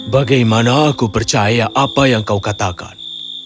bagaimana aku percaya apa yang kau katakan